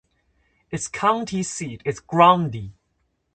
Its county seat is Grundy.